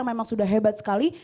memang sudah hebat sekali